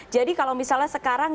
jadi kalau misalnya sekarang ya